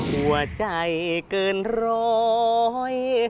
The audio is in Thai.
หัวใจเกินร้อย